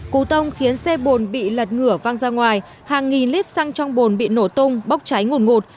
cú tông khiến xe bồn bị lật ngửa văng ra ngoài hàng nghìn lít xăng trong bồn bị nổ tung bốc cháy ngổn ngụt